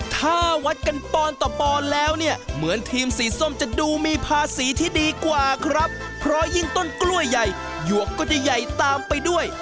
ถ้าวัดกันปอนต่อปอนแล้วเนี่ยเหมือนทีมสีส้มจะดูมีภาษีที่ดีกว่าครับเพราะยิ่งต้นกล้วยใหญ่หยวกก็จะใหญ่ตามไปด้วย